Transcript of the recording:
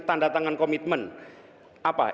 tanda tangan komitmen apa